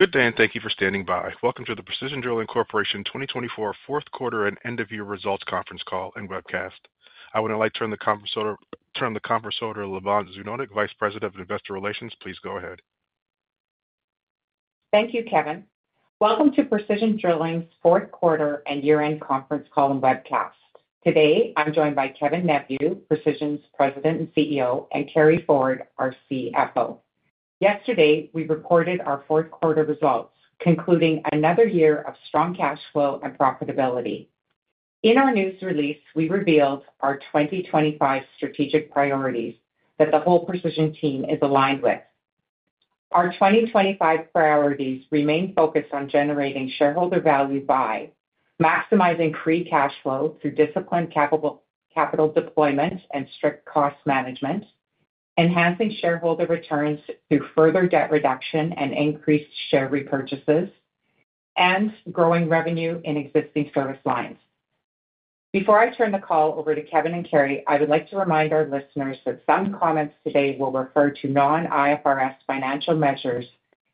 Good day, and thank you for standing by. Welcome to the Precision Drilling Corporation 2024 Fourth Quarter and End of Year Results Conference Call and Webcast. I would now like to turn the conference over to Lavonne Zdunich, Vice President of Investor Relations. Please go ahead. Thank you, Kevin. Welcome to Precision Drilling's Fourth Quarter and Year-End Conference Call and Webcast. Today, I'm joined by Kevin Neveu, Precision's President and CEO, and Carey Ford, our CFO. Yesterday, we reported our Fourth Quarter results, concluding another year of strong cash flow and profitability. In our news release, we revealed our 2025 strategic priorities that the whole Precision team is aligned with. Our 2025 priorities remain focused on generating shareholder value by maximizing free cash flow through disciplined capital deployment and strict cost management, enhancing shareholder returns through further debt reduction and increased share repurchases, and growing revenue in existing service lines. Before I turn the call over to Kevin and Carey, I would like to remind our listeners that some comments today will refer to non-IFRS financial measures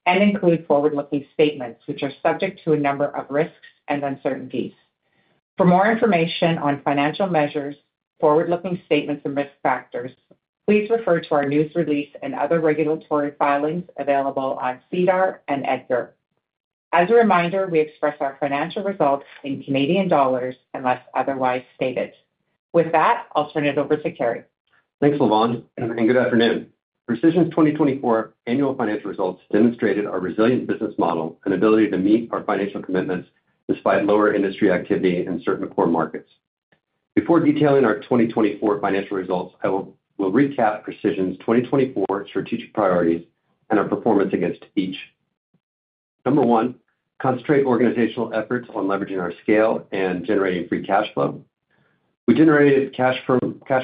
and include forward-looking statements, which are subject to a number of risks and uncertainties. For more information on financial measures, forward-looking statements, and risk factors, please refer to our news release and other regulatory filings available on SEDAR and EDGAR. As a reminder, we express our financial results in Canadian dollars unless otherwise stated. With that, I'll turn it over to Carey. Thanks, Lavonne, and good afternoon. Precision's 2024 annual financial results demonstrated our resilient business model and ability to meet our financial commitments despite lower industry activity in certain core markets. Before detailing our 2024 financial results, I will recap Precision's 2024 strategic priorities and our performance against each. Number one, concentrate organizational efforts on leveraging our scale and generating free cash flow. We generated cash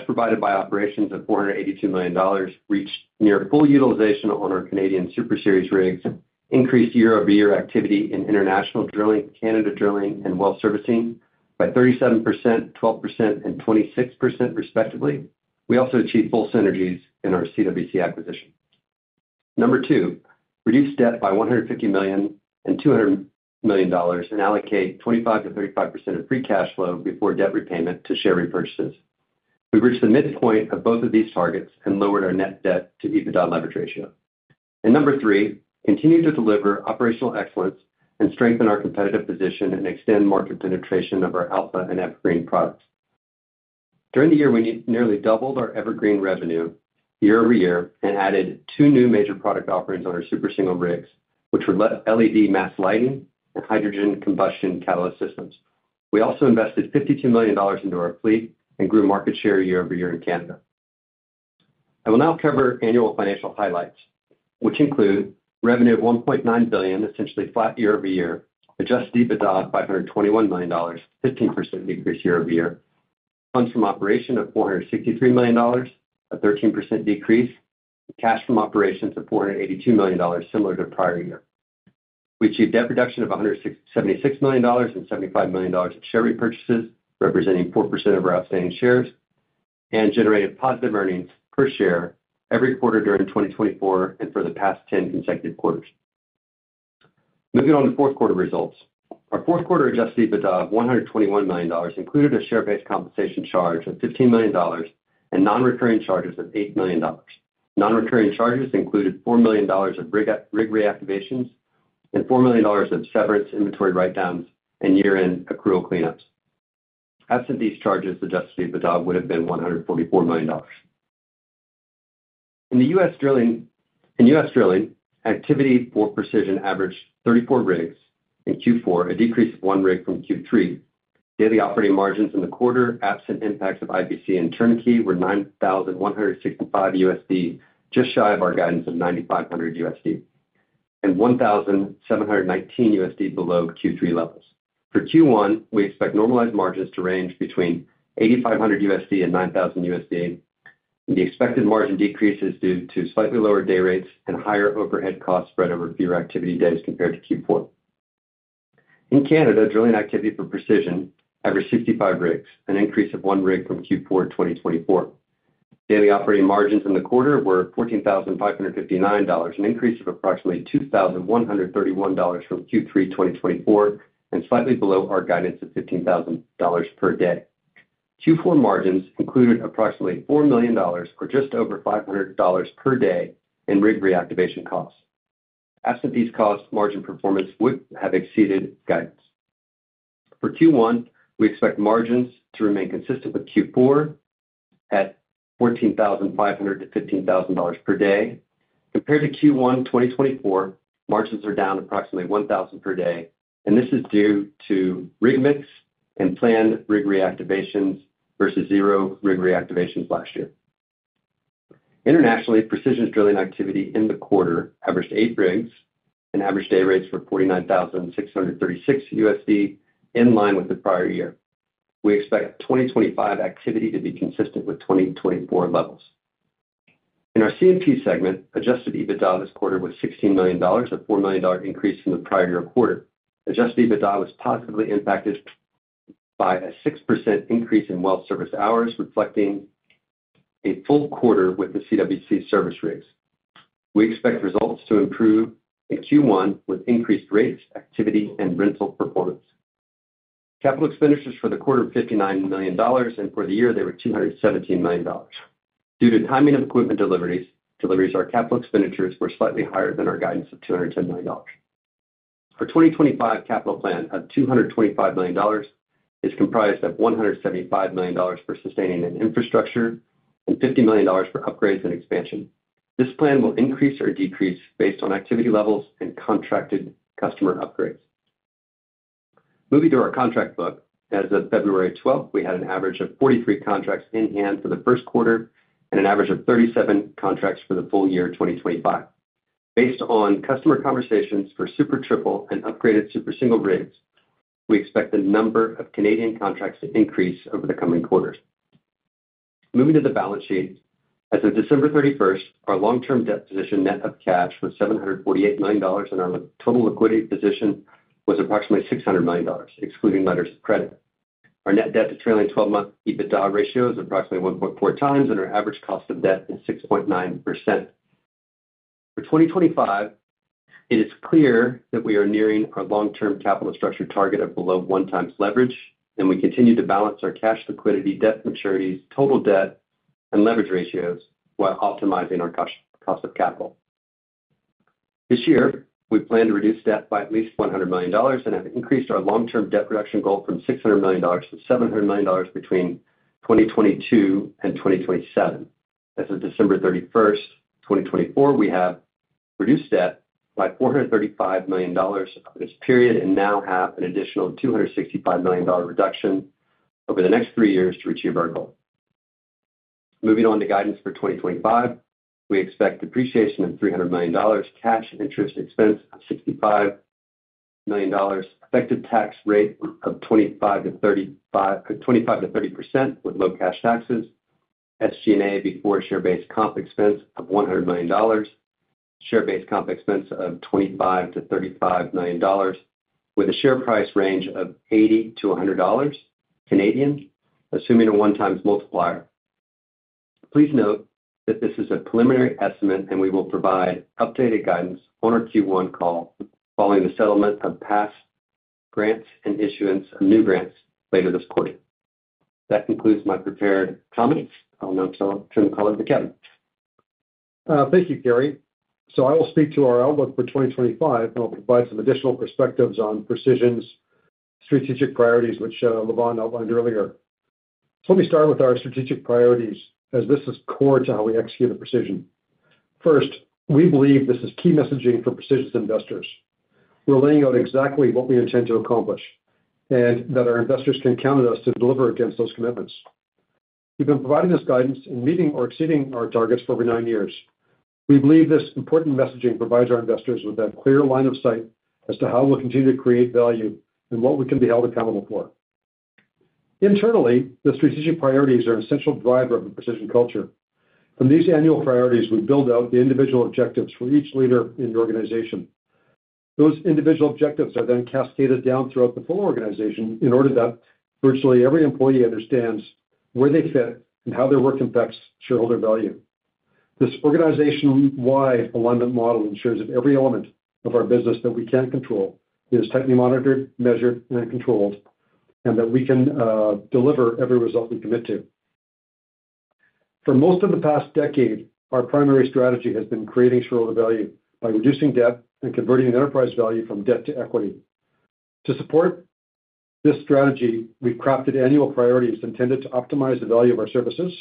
provided by operations of $482 million, reached near full utilization on our Canadian Super Series rigs, increased year-over-year activity in international drilling, Canada drilling, and well servicing by 37%, 12%, and 26%, respectively. We also achieved full synergies in our CWC acquisition. Number two, reduce debt by $150 million and $200 million and allocate 25%-35% of free cash flow before debt repayment to share repurchases. We reached the midpoint of both of these targets and lowered our net debt to EBITDA leverage ratio. And number three, continue to deliver operational excellence and strengthen our competitive position and extend market penetration of our Alpha and EverGreen products. During the year, we nearly doubled our EverGreen revenue year-over-year and added two new major product offerings on our Super Single rigs, which were LED mast lighting and hydrogen combustion catalyst systems. We also invested 52 million dollars into our fleet and grew market share year-over-year in Canada. I will now cover annual financial highlights, which include revenue of 1.9 billion, essentially flat year-over-year, adjusted EBITDA of 521 million dollars, a 15% decrease year-over-year, funds from operations of 463 million dollars, a 13% decrease, and cash from operations of 482 million dollars, similar to prior year. We achieved debt reduction of $176 million and $75 million in share repurchases, representing 4% of our outstanding shares, and generated positive earnings per share every quarter during 2024 and for the past 10 consecutive quarters. Moving on to fourth quarter results. Our fourth quarter adjusted EBITDA of $121 million included a share-based compensation charge of $15 million and non-recurring charges of $8 million. Non-recurring charges included $4 million of rig reactivations and $4 million of severance inventory write-downs and year-end accrual cleanups. Absent these charges, adjusted EBITDA would have been $144 million. In U.S. drilling activity for Precision averaged 34 rigs in Q4, a decrease of one rig from Q3. Daily operating margins in the quarter, absent impacts of IPC and Turnkey, were $9,165, just shy of our guidance of $9,500 and $1,719 below Q3 levels. For Q1, we expect normalized margins to range between $8,500 and $9,000. The expected margin decrease is due to slightly lower day rates and higher overhead cost spread over fewer activity days compared to Q4. In Canada, drilling activity for Precision averaged 65 rigs, an increase of one rig from Q4 2024. Daily operating margins in the quarter were $14,559, an increase of approximately $2,131 from Q3 2024 and slightly below our guidance of $15,000 per day. Q4 margins included approximately $4 million or just over $500 per day in rig reactivation costs. Absent these costs, margin performance would have exceeded guidance. For Q1, we expect margins to remain consistent with Q4 at $14,500-$15,000 per day. Compared to Q1 2024, margins are down approximately $1,000 per day, and this is due to rig mix and planned rig reactivations versus zero rig reactivations last year. Internationally, Precision's drilling activity in the quarter averaged eight rigs and averaged day rates of $49,636, in line with the prior year. We expect 2025 activity to be consistent with 2024 levels. In our C&P segment, adjusted EBITDA this quarter was $16 million, a $4 million increase from the prior year quarter. Adjusted EBITDA was positively impacted by a 6% increase in well service hours, reflecting a full quarter with the CWC service rigs. We expect results to improve in Q1 with increased rates, activity, and rental performance. Capital expenditures for the quarter were $59 million, and for the year, they were $217 million. Due to timing of equipment deliveries, our capital expenditures were slightly higher than our guidance of $210 million. For 2025, capital plan of $225 million is comprised of $175 million for sustaining infrastructure and $50 million for upgrades and expansion. This plan will increase or decrease based on activity levels and contracted customer upgrades. Moving to our contract book, as of February 12th, we had an average of 43 contracts in hand for the first quarter and an average of 37 contracts for the full year 2025. Based on customer conversations for Super Triple and upgraded Super Single rigs, we expect the number of Canadian contracts to increase over the coming quarters. Moving to the balance sheet, as of December 31st, our long-term debt position net of cash was $748 million, and our total liquidity position was approximately $600 million, excluding letters of credit. Our net debt to trailing 12-month EBITDA ratio is approximately 1.4x, and our average cost of debt is 6.9%. For 2025, it is clear that we are nearing our long-term capital structure target of below 1x leverage, and we continue to balance our cash liquidity debt maturities, total debt, and leverage ratios while optimizing our cost of capital. This year, we plan to reduce debt by at least $100 million and have increased our long-term debt reduction goal from $600 million to $700 million between 2022 and 2027. As of December 31st, 2024, we have reduced debt by $435 million over this period and now have an additional $265 million reduction over the next three years to achieve our goal. Moving on to guidance for 2025, we expect depreciation of 300 million dollars, cash interest expense of 65 million dollars, effective tax rate of 25%-30% with low cash taxes, SG&A before share-based comp expense of 100 million dollars, share-based comp expense of 25-35 million dollars, with a share price range of 80-100 dollars. Assuming a one-time multiplier. Please note that this is a preliminary estimate, and we will provide updated guidance on our Q1 call following the settlement of past grants and issuance of new grants later this quarter. That concludes my prepared comments. I'll now turn the call over to Kevin. Thank you, Carey. So I will speak to our outlook for 2025, and I'll provide some additional perspectives on Precision's strategic priorities, which Lavonne outlined earlier. So let me start with our strategic priorities, as this is core to how we execute at Precision. First, we believe this is key messaging for Precision's investors. We're laying out exactly what we intend to accomplish and that our investors can count on us to deliver against those commitments. We've been providing this guidance and meeting or exceeding our targets for over nine years. We believe this important messaging provides our investors with a clear line of sight as to how we'll continue to create value and what we can be held accountable for. Internally, the strategic priorities are an essential driver of the Precision culture. From these annual priorities, we build out the individual objectives for each leader in the organization. Those individual objectives are then cascaded down throughout the full organization in order that virtually every employee understands where they fit and how their work affects shareholder value. This organization-wide alignment model ensures that every element of our business that we can control is tightly monitored, measured, and controlled, and that we can deliver every result we commit to. For most of the past decade, our primary strategy has been creating shareholder value by reducing debt and converting enterprise value from debt to equity. To support this strategy, we've crafted annual priorities intended to optimize the value of our services,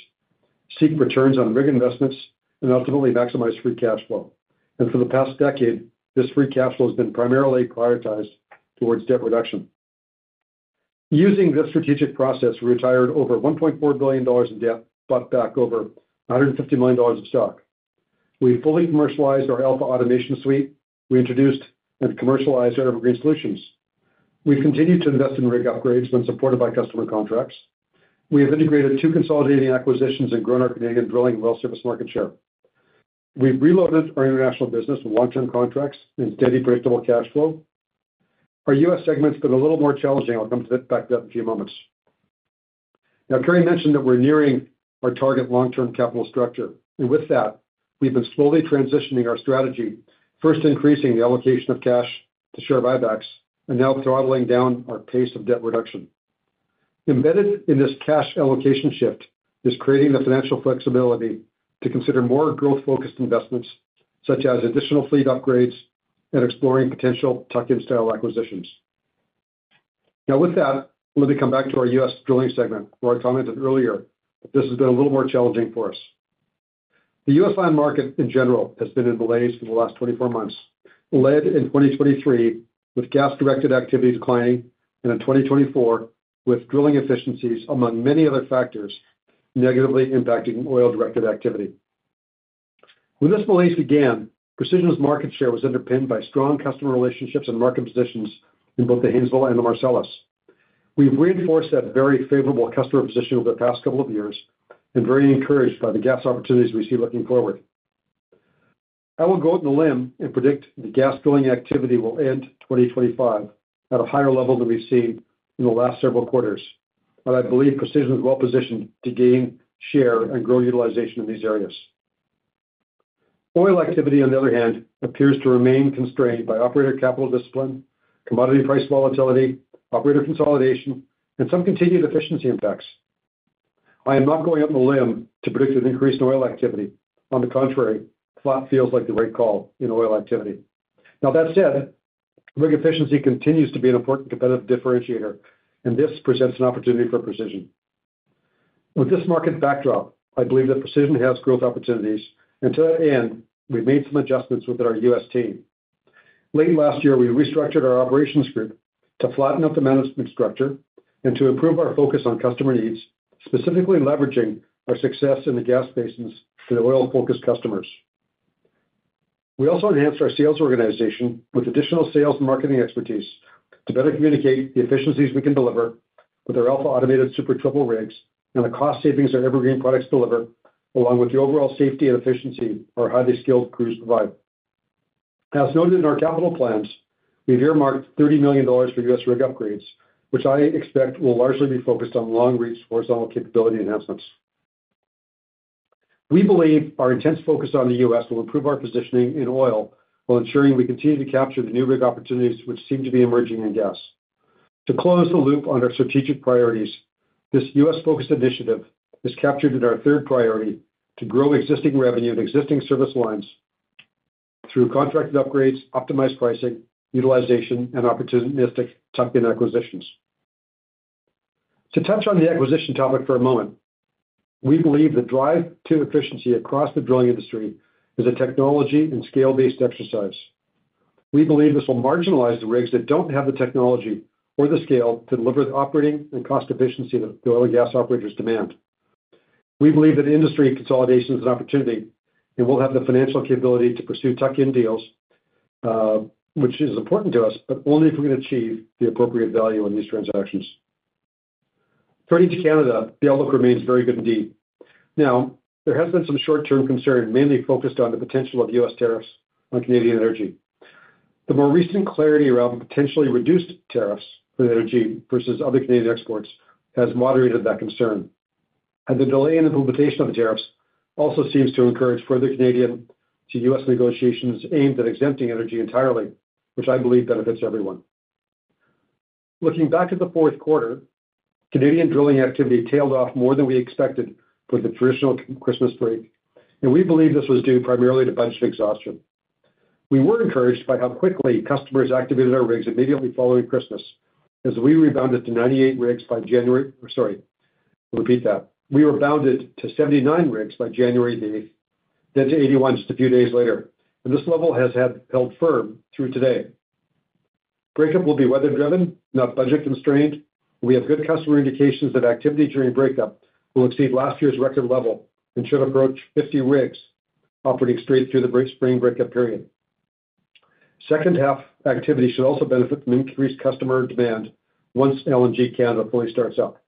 seek returns on rig investments, and ultimately maximize free cash flow. And for the past decade, this free cash flow has been primarily prioritized towards debt reduction. Using this strategic process, we retired over $1.4 billion in debt, bought back over $150 million in stock. We fully commercialized our AlphaAutomation suite. We introduced and commercialized our EverGreen solutions. We've continued to invest in rig upgrades when supported by customer contracts. We have integrated two consolidating acquisitions and grown our Canadian drilling and well service market share. We've reloaded our international business with long-term contracts and steady predictable cash flow. Our U.S. segment's been a little more challenging. I'll come back to that in a few moments. Now, Carey mentioned that we're nearing our target long-term capital structure. And with that, we've been slowly transitioning our strategy, first increasing the allocation of cash to share buybacks and now throttling down our pace of debt reduction. Embedded in this cash allocation shift is creating the financial flexibility to consider more growth-focused investments, such as additional fleet upgrades and exploring potential tuck-in-style acquisitions. Now, with that, let me come back to our U.S. drilling segment, where I commented earlier that this has been a little more challenging for us. The U.S. land market, in general, has been in delays for the last 24 months, led in 2023 with gas-directed activity declining and in 2024 with drilling efficiencies, among many other factors, negatively impacting oil-directed activity. When this malaise began, Precision's market share was underpinned by strong customer relationships and market positions in both the Haynesville and the Marcellus. We've reinforced that very favorable customer position over the past couple of years and are very encouraged by the gas opportunities we see looking forward. I will go out on a limb and predict the gas drilling activity will end 2025 at a higher level than we've seen in the last several quarters, but I believe Precision is well positioned to gain share and grow utilization in these areas. Oil activity, on the other hand, appears to remain constrained by operator capital discipline, commodity price volatility, operator consolidation, and some continued efficiency impacts. I am not going out on a limb to predict an increase in oil activity. On the contrary, flat feels like the right call in oil activity. Now, that said, rig efficiency continues to be an important competitive differentiator, and this presents an opportunity for Precision. With this market backdrop, I believe that Precision has growth opportunities, and to that end, we've made some adjustments within our U.S. team. Late last year, we restructured our operations group to flatten out the management structure and to improve our focus on customer needs, specifically leveraging our success in the gas basins for the oil-focused customers. We also enhanced our sales organization with additional sales and marketing expertise to better communicate the efficiencies we can deliver with our Alpha automated Super Triple rigs and the cost savings our EverGreen products deliver, along with the overall safety and efficiency our highly skilled crews provide. As noted in our capital plans, we've earmarked $30 million for U.S. rig upgrades, which I expect will largely be focused on long-reach horizontal capability enhancements. We believe our intense focus on the U.S. will improve our positioning in oil while ensuring we continue to capture the new rig opportunities which seem to be emerging in gas. To close the loop on our strategic priorities, this U.S.-focused initiative is captured in our third priority to grow existing revenue and existing service lines through contracted upgrades, optimized pricing, utilization, and opportunistic tuck-in acquisitions. To touch on the acquisition topic for a moment, we believe the drive to efficiency across the drilling industry is a technology and scale-based exercise. We believe this will marginalize the rigs that don't have the technology or the scale to deliver the operating and cost efficiency that the oil and gas operators demand. We believe that industry consolidation is an opportunity and will have the financial capability to pursue tuck-in deals, which is important to us, but only if we can achieve the appropriate value on these transactions. Turning to Canada, the outlook remains very good indeed. Now, there has been some short-term concern, mainly focused on the potential of U.S. tariffs on Canadian energy. The more recent clarity around potentially reduced tariffs for energy versus other Canadian exports has moderated that concern, and the delay in the implementation of the tariffs also seems to encourage further Canadian to U.S. negotiations aimed at exempting energy entirely, which I believe benefits everyone. Looking back to the fourth quarter, Canadian drilling activity tailed off more than we expected for the traditional Christmas break, and we believe this was due primarily to budget exhaustion. We were encouraged by how quickly customers activated our rigs immediately following Christmas, as we rebounded to 98 rigs by January, sorry, I'll repeat that. We rebounded to 79 rigs by January the 8th, then to 81 just a few days later, and this level has held firm through today. Breakup will be weather-driven, not budget constrained. We have good customer indications that activity during breakup will exceed last year's record level and should approach 50 rigs operating straight through the spring breakup period. Second-half activity should also benefit from increased customer demand once LNG Canada fully starts up.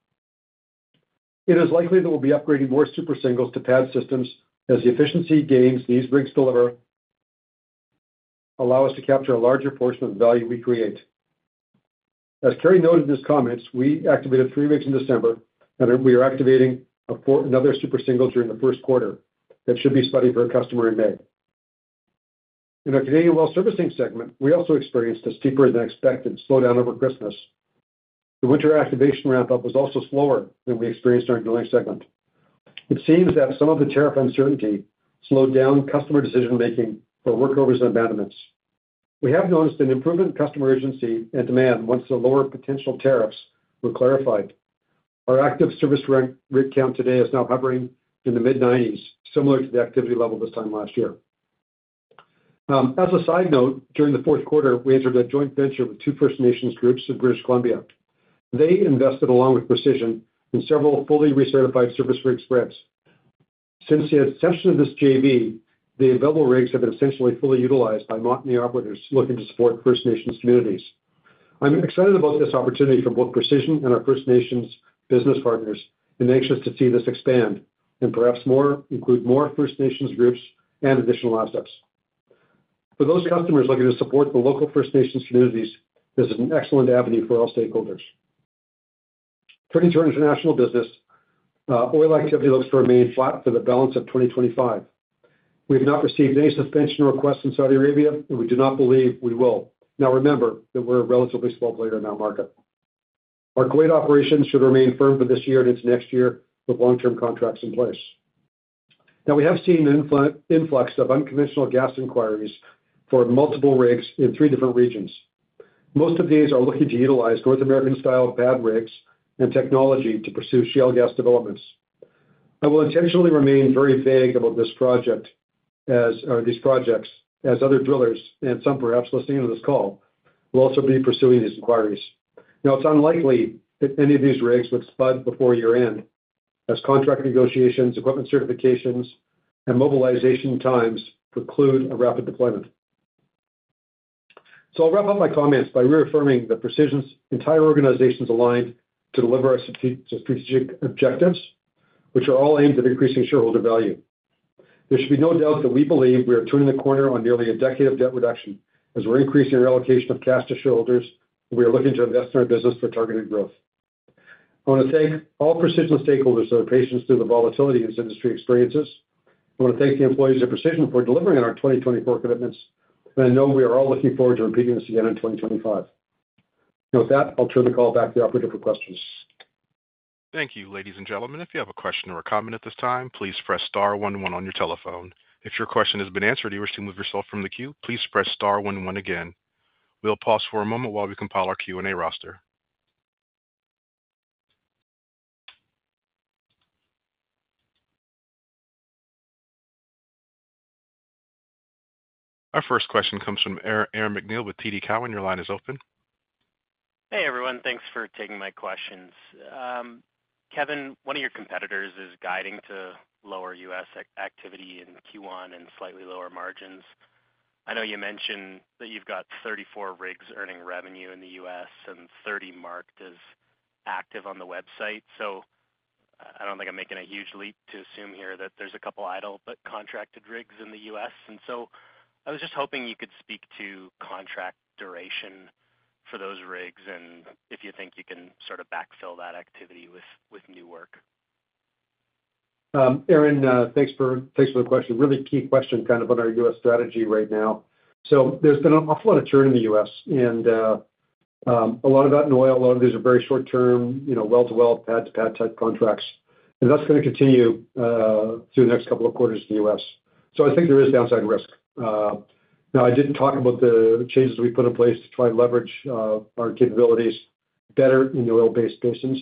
It is likely that we'll be upgrading more Super Singles to pad systems as the efficiency gains these rigs deliver allow us to capture a larger portion of the value we create. As Carey noted in his comments, we activated three rigs in December, and we are activating another Super Single during the first quarter that should be sweating for a customer in May. In our Canadian well servicing segment, we also experienced a steeper-than-expected slowdown over Christmas. The winter activation ramp-up was also slower than we experienced in our drilling segment. It seems that some of the tariff uncertainty slowed down customer decision-making for workovers and abandonments. We have noticed an improvement in customer urgency and demand once the lower potential tariffs were clarified. Our active service rig count today is now hovering in the mid-90s, similar to the activity level this time last year. As a side note, during the fourth quarter, we entered a joint venture with two First Nations groups in British Columbia. They invested along with Precision in several fully recertified service rig spreads. Since the inception of this JV, the available rigs have been essentially fully utilized by Montney operators looking to support First Nations communities. I'm excited about this opportunity for both Precision and our First Nations business partners and anxious to see this expand and perhaps include more First Nations groups and additional assets. For those customers looking to support the local First Nations communities, this is an excellent avenue for all stakeholders. Turning to our international business, oil activity looks to remain flat for the balance of 2025. We have not received any suspension requests in Saudi Arabia, and we do not believe we will. Now, remember that we're a relatively small player in our market. Our great operations should remain firm for this year and into next year with long-term contracts in place. Now, we have seen an influx of unconventional gas inquiries for multiple rigs in three different regions. Most of these are looking to utilize North American-style pad rigs and technology to pursue shale gas developments. I will intentionally remain very vague about these projects, as other drillers and some perhaps listening to this call will also be pursuing these inquiries. Now, it's unlikely that any of these rigs would spud before year-end, as contract negotiations, equipment certifications, and mobilization times preclude a rapid deployment. So I'll wrap up my comments by reaffirming that Precision's entire organization is aligned to deliver our strategic objectives, which are all aimed at increasing shareholder value. There should be no doubt that we believe we are turning the corner on nearly a decade of debt reduction as we're increasing our allocation of cash to shareholders, and we are looking to invest in our business for targeted growth. I want to thank all Precision stakeholders for their patience through the volatility this industry experiences. I want to thank the employees at Precision for delivering on our 2024 commitments, and I know we are all looking forward to repeating this again in 2025. Now, with that, I'll turn the call back to the operator for questions. Thank you, ladies and gentlemen. If you have a question or a comment at this time, please press star one one on your telephone. If your question has been answered and you wish to move yourself from the queue, please press star one one again. We'll pause for a moment while we compile our Q&A roster. Our first question comes from Aaron MacNeil with TD Cowen. Your line is open. Hey, everyone. Thanks for taking my questions. Kevin, one of your competitors is guiding to lower U.S. activity in Q1 and slightly lower margins. I know you mentioned that you've got 34 rigs earning revenue in the U.S. and 30 marked as active on the website. So I don't think I'm making a huge leap to assume here that there's a couple idle but contracted rigs in the U.S. And so I was just hoping you could speak to contract duration for those rigs and if you think you can sort of backfill that activity with new work. Aaron, thanks for the question. Really key question kind of on our U.S. strategy right now. So there's been an awful lot of churn in the U.S., and a lot of that in oil. A lot of these are very short-term well-to-well, pad-to-pad type contracts. And that's going to continue through the next couple of quarters in the U.S. So I think there is downside risk. Now, I did talk about the changes we put in place to try and leverage our capabilities better in the oil-based basins.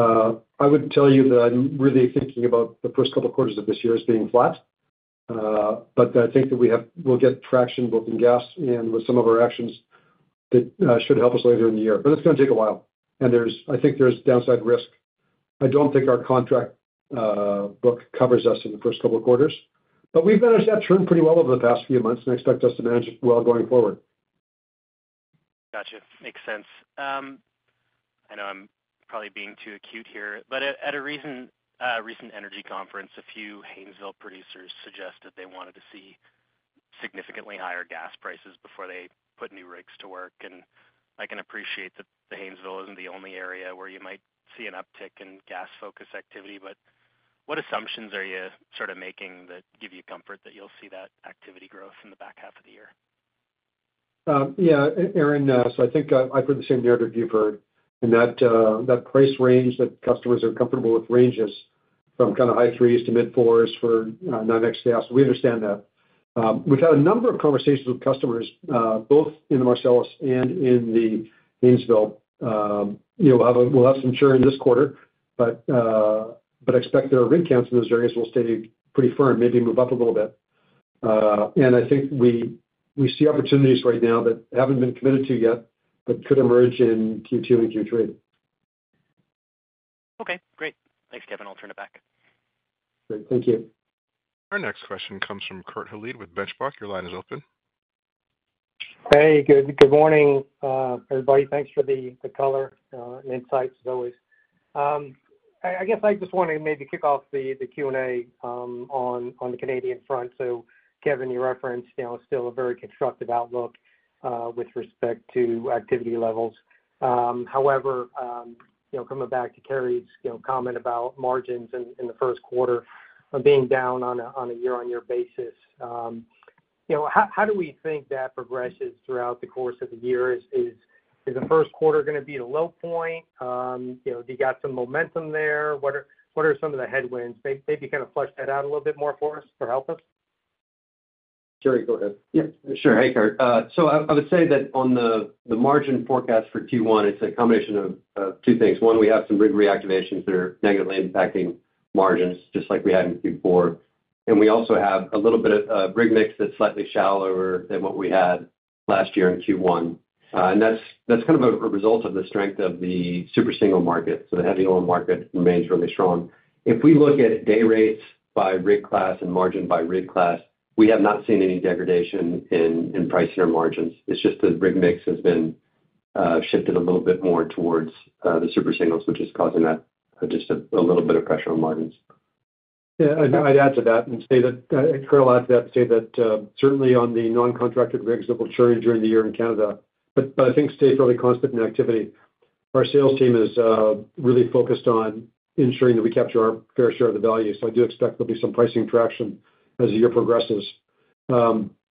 I would tell you that I'm really thinking about the first couple of quarters of this year as being flat, but I think that we'll get traction both in gas and with some of our actions that should help us later in the year. But it's going to take a while, and I think there's downside risk. I don't think our contract book covers us in the first couple of quarters, but we've managed that churn pretty well over the past few months and expect us to manage it well going forward. Gotcha. Makes sense. I know I'm probably being too acute here, but at a recent energy conference, a few Haynesville producers suggested they wanted to see significantly higher gas prices before they put new rigs to work. And I can appreciate that the Haynesville isn't the only area where you might see an uptick in gas-focused activity, but what assumptions are you sort of making that give you comfort that you'll see that activity growth in the back half of the year? Yeah, Aaron, so I think I've heard the same narrative you've heard, and that price range that customers are comfortable with ranges from kind of high threes to mid-fours for NYMEX gas. We understand that. We've had a number of conversations with customers, both in the Marcellus and in the Haynesville. We'll have some churn this quarter, but expect that our rig counts in those areas will stay pretty firm, maybe move up a little bit. And I think we see opportunities right now that haven't been committed to yet, but could emerge in Q2 and Q3. Okay. Great. Thanks, Kevin. I'll turn it back. Great. Thank you. Our next question comes from Kurt Hallead with Benchmark. Your line is open. Hey, good morning, everybody. Thanks for the color and insights, as always. I guess I just want to maybe kick off the Q&A on the Canadian front. So Kevin, you referenced still a very constructive outlook with respect to activity levels. However, coming back to Carey's comment about margins in the first quarter being down on a year-on-year basis, how do we think that progresses throughout the course of the year? Is the first quarter going to be a low point? Do you got some momentum there? What are some of the headwinds? Maybe kind of flesh that out a little bit more for us or help us. Carey, go ahead. Yeah, sure. Hey, Kurt. So I would say that on the margin forecast for Q1, it's a combination of two things. One, we have some rig reactivations that are negatively impacting margins, just like we had in Q4. And we also have a little bit of rig mix that's slightly shallower than what we had last year in Q1. And that's kind of a result of the strength of the Super Single market. So the heavy oil market remains really strong. If we look at day rates by rig class and margin by rig class, we have not seen any degradation in price or margins. It's just the rig mix has been shifted a little bit more towards the Super Singles, which is causing just a little bit of pressure on margins. Yeah, I'd add to that and say that I'd carve out to that and say that certainly on the non-contracted rigs, there will be churn during the year in Canada, but I think activity will stay fairly constant. Our sales team is really focused on ensuring that we capture our fair share of the value. So I do expect there'll be some pricing traction as the year progresses.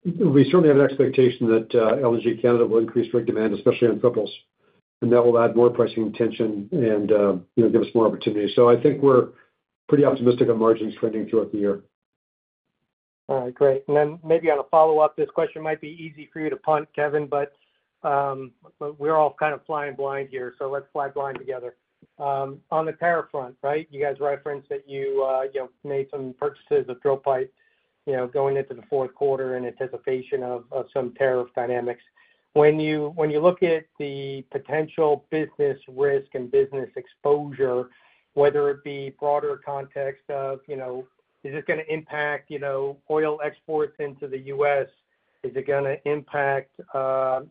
We certainly have an expectation that LNG Canada will increase rig demand, especially on triples, and that will add more pricing tension and give us more opportunity. So I think we're pretty optimistic on margins trending throughout the year. All right. Great. And then maybe on a follow-up, this question might be easy for you to punt, Kevin, but we're all kind of flying blind here, so let's fly blind together. On the tariff front, right, you guys referenced that you made some purchases of drill pipe going into the fourth quarter in anticipation of some tariff dynamics. When you look at the potential business risk and business exposure, whether it be broader context of, is this going to impact oil exports into the U.S.? Is it going to impact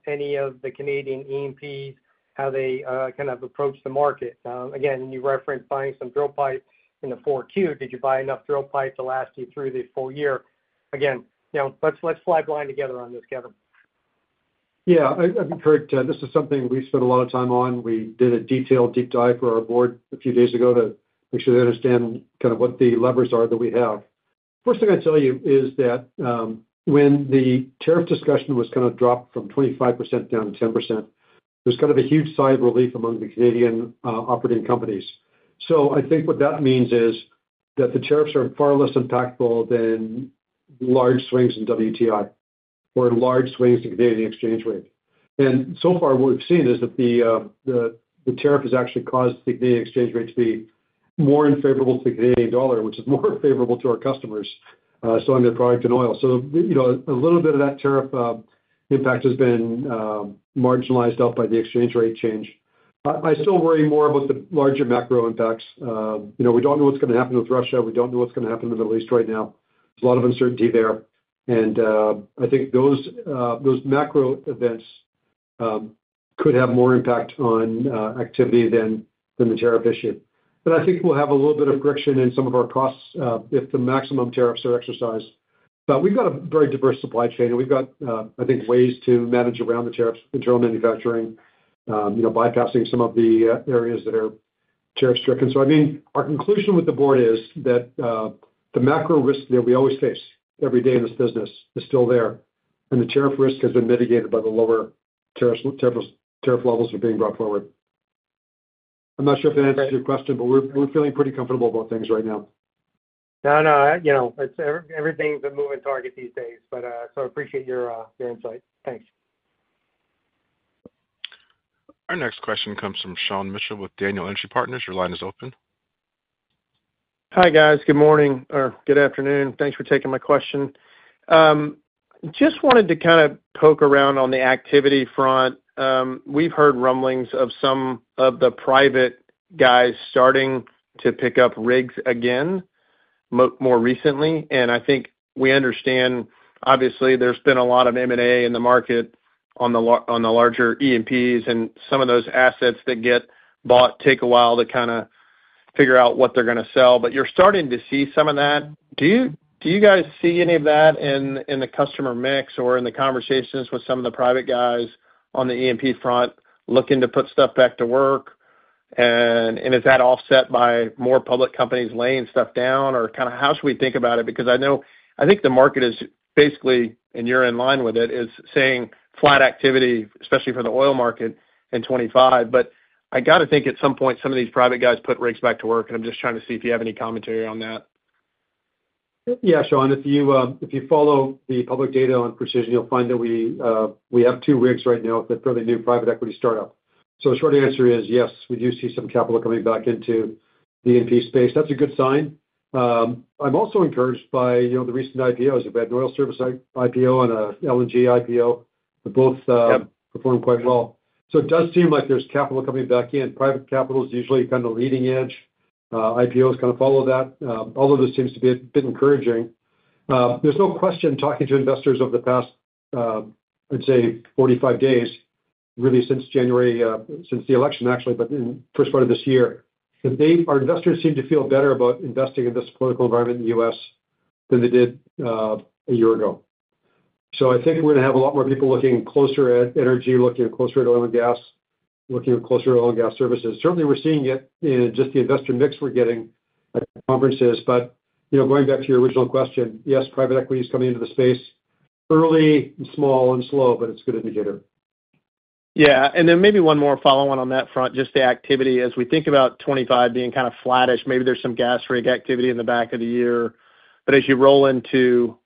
any of the Canadian E&Ps, how they kind of approach the market? Again, you referenced buying some drill pipe in the fourth quarter. Did you buy enough drill pipe to last you through the full year? Again, let's fly blind together on this, Kevin. Yeah. Kurt, this is something we spent a lot of time on. We did a detailed deep dive for our board a few days ago to make sure they understand kind of what the levers are that we have. First thing I'd tell you is that when the tariff discussion was kind of dropped from 25% down to 10%, there's kind of a huge sigh of relief among the Canadian operating companies. So I think what that means is that the tariffs are far less impactful than large swings in WTI or large swings in Canadian exchange rate. And so far, what we've seen is that the tariff has actually caused the Canadian exchange rate to be more unfavorable to the Canadian dollar, which is more favorable to our customers selling their product in oil. So a little bit of that tariff impact has been marginalized out by the exchange rate change. I still worry more about the larger macro impacts. We don't know what's going to happen with Russia. We don't know what's going to happen in the Middle East right now. There's a lot of uncertainty there. And I think those macro events could have more impact on activity than the tariff issue. But I think we'll have a little bit of friction in some of our costs if the maximum tariffs are exercised. But we've got a very diverse supply chain, and we've got, I think, ways to manage around the tariffs, internal manufacturing, bypassing some of the areas that are tariff-stricken. So I mean, our conclusion with the board is that the macro risk that we always face every day in this business is still there, and the tariff risk has been mitigated by the lower tariff levels that are being brought forward. I'm not sure if that answers your question, but we're feeling pretty comfortable about things right now. No, no. Everything's a moving target these days, but so I appreciate your insight. Thanks. Our next question comes from Sean Mitchell with Daniel Energy Partners. Your line is open. Hi guys. Good morning or good afternoon. Thanks for taking my question. Just wanted to kind of poke around on the activity front. We've heard rumblings of some of the private guys starting to pick up rigs again more recently. And I think we understand, obviously, there's been a lot of M&A in the market on the larger E&Ps, and some of those assets that get bought take a while to kind of figure out what they're going to sell. But you're starting to see some of that. Do you guys see any of that in the customer mix or in the conversations with some of the private guys on the E&P front looking to put stuff back to work? And is that offset by more public companies laying stuff down? Or kind of how should we think about it? Because I think the market is basically, and you're in line with it, is saying flat activity, especially for the oil market in 2025. But I got to think at some point some of these private guys put rigs back to work, and I'm just trying to see if you have any commentary on that. Yeah, Sean, if you follow the public data on Precision, you'll find that we have two rigs right now that are fairly new private equity startup. So the short answer is yes, we do see some capital coming back into the E&P space. That's a good sign. I'm also encouraged by the recent IPOs. We've had an oil service IPO and an LNG IPO, but both performed quite well. So it does seem like there's capital coming back in. Private capital is usually kind of leading edge. IPOs kind of follow that, although this seems to be a bit encouraging. There's no question talking to investors over the past, I'd say, 45 days, really since January, since the election, actually, but in the first part of this year, that our investors seem to feel better about investing in this political environment in the U.S. than they did a year ago. So I think we're going to have a lot more people looking closer at energy, looking closer at oil and gas, looking closer at oil and gas services. Certainly, we're seeing it in just the investor mix we're getting at conferences. But going back to your original question, yes, private equity is coming into the space early and small and slow, but it's a good indicator. Yeah. And then maybe one more follow-on on that front, just the activity. As we think about 2025 being kind of flattish, maybe there's some gas rig activity in the back of the year. But as you roll into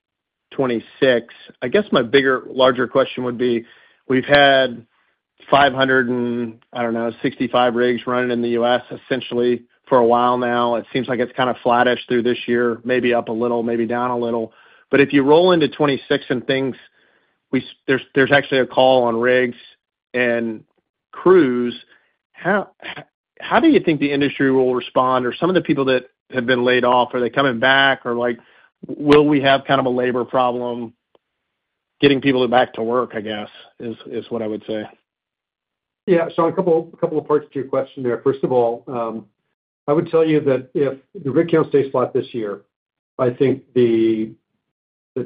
2026, I guess my bigger, larger question would be we've had 500 and, I don't know, 65 rigs running in the U.S. essentially for a while now. It seems like it's kind of flattish through this year, maybe up a little, maybe down a little. But if you roll into 2026 and things there's actually a call on rigs and crews, how do you think the industry will respond? Or some of the people that have been laid off, are they coming back? Or will we have kind of a labor problem getting people back to work, I guess, is what I would say. Yeah. So a couple of parts to your question there. First of all, I would tell you that if the rig count stays flat this year, I think the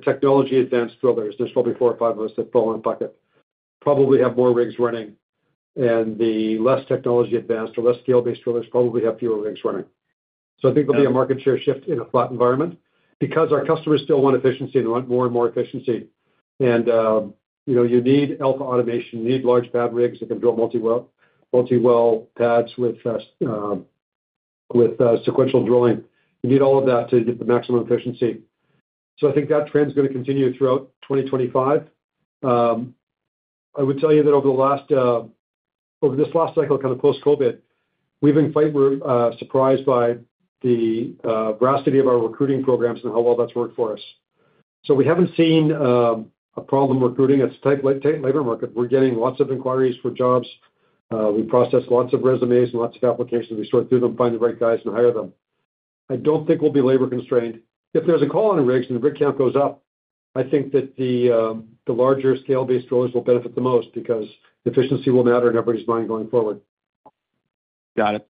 technology-advanced drillers, there's probably four or five of us that fall in our pocket, probably have more rigs running. And the less technology-advanced or less scale-based drillers probably have fewer rigs running. So I think there'll be a market share shift in a flat environment because our customers still want efficiency and want more and more efficiency. And you need AlphaAutomation. You need large pad rigs that can drill multi-well pads with sequential drilling. You need all of that to get the maximum efficiency. So I think that trend is going to continue throughout 2025. I would tell you that over this last cycle, kind of post-COVID, we've been quite surprised by the vastness of our recruiting programs and how well that's worked for us. So we haven't seen a problem recruiting. It's a tight labor market. We're getting lots of inquiries for jobs. We process lots of resumes and lots of applications. We sort through them, find the right guys, and hire them. I don't think we'll be labor constrained. If there's a call on rigs and the rig count goes up, I think that the larger scale-based drillers will benefit the most because efficiency will matter in everybody's mind going forward. Got it.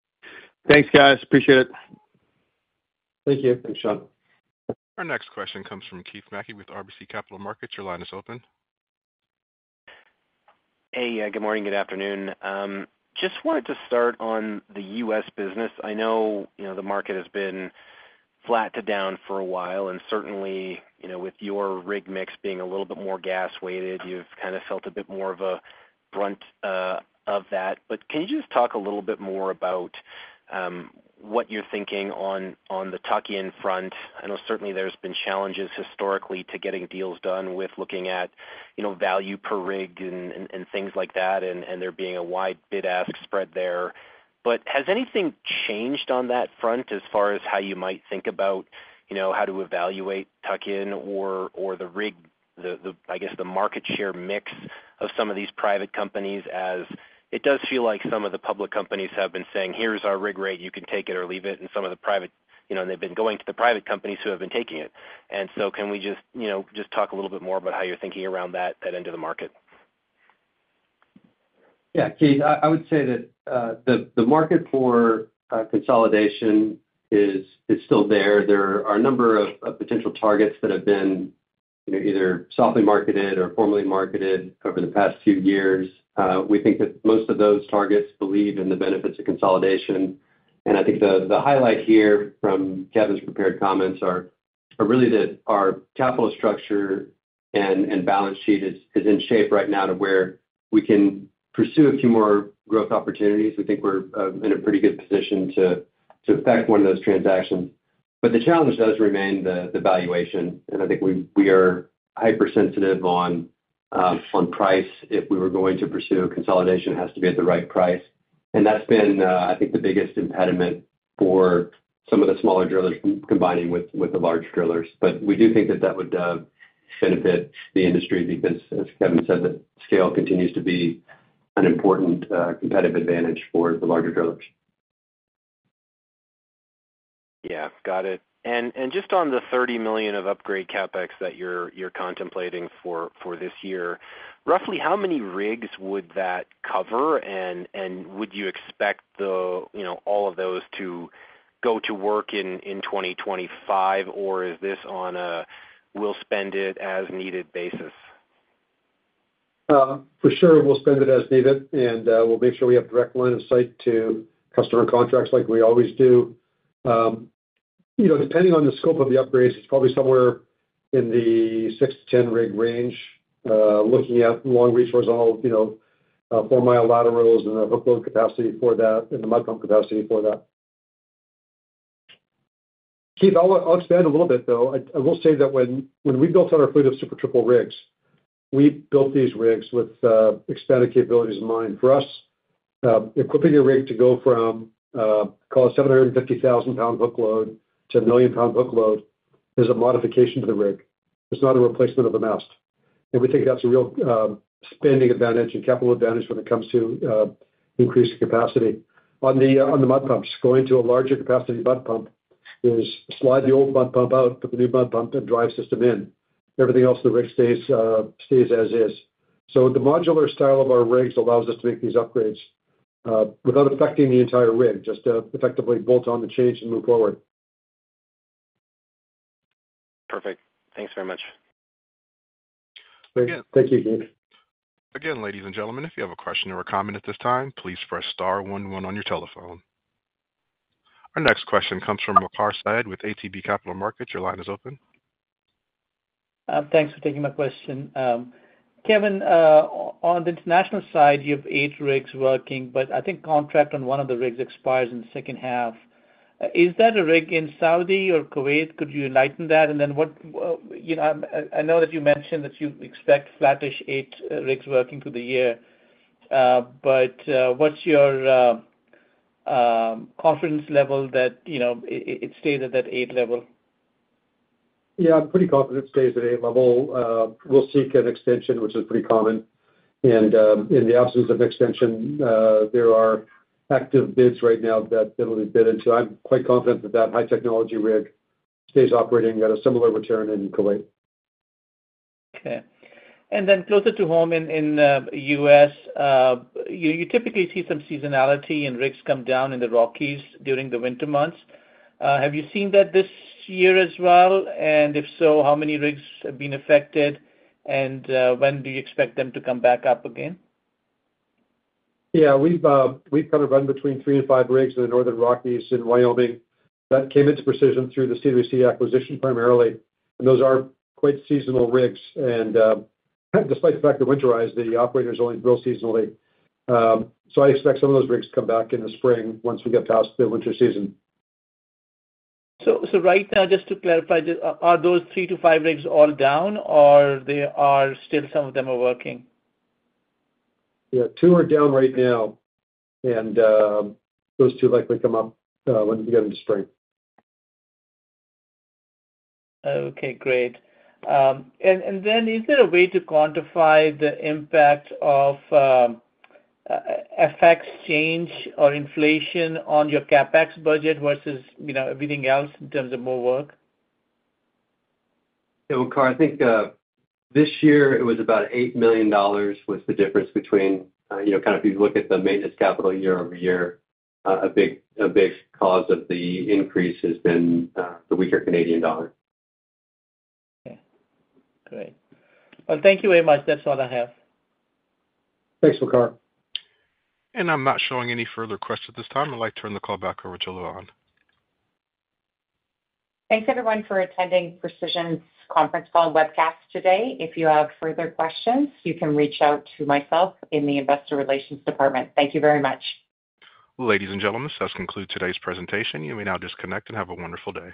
Thanks, guys. Appreciate it. Thank you. Thanks, Sean. Our next question comes from Keith Mackey with RBC Capital Markets. Your line is open. Hey, good morning, good afternoon. Just wanted to start on the U.S. business. I know the market has been flat to down for a while. And certainly, with your rig mix being a little bit more gas-weighted, you've kind of felt a bit more of a brunt of that. But can you just talk a little bit more about what you're thinking on the tuck-in front? I know certainly there's been challenges historically to getting deals done with looking at value per rig and things like that, and there being a wide bid-ask spread there. But has anything changed on that front as far as how you might think about how to evaluate tuck-in or the rig, I guess, the market share mix of some of these private companies? It does feel like some of the public companies have been saying, "Here's our rig rate. You can take it or leave it." And some of the private, and they've been going to the private companies who have been taking it. And so can we just talk a little bit more about how you're thinking around that end of the market? Yeah. Keith, I would say that the market for consolidation is still there. There are a number of potential targets that have been either softly marketed or formally marketed over the past few years. We think that most of those targets believe in the benefits of consolidation. And I think the highlight here from Kevin's prepared comments are really that our capital structure and balance sheet is in shape right now to where we can pursue a few more growth opportunities. We think we're in a pretty good position to affect one of those transactions. But the challenge does remain the valuation. And I think we are hypersensitive on price. If we were going to pursue consolidation, it has to be at the right price. And that's been, I think, the biggest impediment for some of the smaller drillers combining with the large drillers. But we do think that that would benefit the industry because, as Kevin said, the scale continues to be an important competitive advantage for the larger drillers. Yeah. Got it. And just on the 30 million of upgrade CapEx that you're contemplating for this year, roughly how many rigs would that cover? And would you expect all of those to go to work in 2025? Or is this on a, "We'll spend it as needed" basis? For sure, we'll spend it as needed. And we'll make sure we have direct line of sight to customer contracts like we always do. Depending on the scope of the upgrades, it's probably somewhere in the 6-10 rig range, looking at long-reach horizontal four-mile laterals and the hook load capacity for that and the mud pump capacity for that. Keith, I'll expand a little bit, though. I will say that when we built out our fleet of Super Triple rigs, we built these rigs with expanded capabilities in mind. For us, equipping a rig to go from, call it, 750,000-pound hook load to a million-pound hook load is a modification to the rig. It's not a replacement of a mast. And we think that's a real spending advantage and capital advantage when it comes to increasing capacity. On the mud pumps, going to a larger capacity mud pump is to slide the old mud pump out, put the new mud pump and drive system in. Everything else in the rig stays as is. So the modular style of our rigs allows us to make these upgrades without affecting the entire rig, just to effectively bolt on the change and move forward. Perfect. Thanks very much. Thank you, Keith. Again, ladies and gentlemen, if you have a question or a comment at this time, please press star one one on your telephone. Our next question comes from Waqar Syed with ATB Capital Markets. Your line is open. Thanks for taking my question. Kevin, on the international side, you have eight rigs working, but I think contract on one of the rigs expires in the second half. Is that a rig in Saudi or Kuwait? Could you enlighten that? And then I know that you mentioned that you expect flattish eight rigs working through the year. But what's your confidence level that it stays at that eight level? Yeah, I'm pretty confident it stays at eight level. We'll seek an extension, which is pretty common. And in the absence of extension, there are active bids right now that it'll be bid into. I'm quite confident that that high-technology rig stays operating at a similar return in Kuwait. Okay. And then closer to home in the U.S., you typically see some seasonality in rigs come down in the Rockies during the winter months. Have you seen that this year as well? And if so, how many rigs have been affected? And when do you expect them to come back up again? Yeah. We've kind of run between three and five rigs in the Northern Rockies and Wyoming. That came into Precision through the CWC acquisition primarily, and those are quite seasonal rigs. Despite the fact that winterized, the operators only drill seasonally, so I expect some of those rigs to come back in the spring once we get past the winter season. So right now, just to clarify, are those three to five rigs all down, or are still some of them working? Yeah. Two are down right now, and those two likely come up when we get into spring. Okay. Great. And then is there a way to quantify the impact of FX change or inflation on your CapEx budget versus everything else in terms of more work? Yeah. Well, I think this year it was about 8 million dollars was the difference between kind of if you look at the maintenance capital year over year, a big cause of the increase has been the weaker Canadian dollar. Okay. Great. Well, thank you very much. That's all I have. Thanks, Waqar. I'm not showing any further questions at this time. I'd like to turn the call back over to Lavonne. Thanks, everyone, for attending Precision's conference call and webcast today. If you have further questions, you can reach out to myself in the investor relations department. Thank you very much. Ladies and gentlemen, this does conclude today's presentation. You may now disconnect and have a wonderful day.